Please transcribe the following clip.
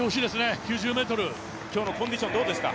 今日のコンディションどうですか。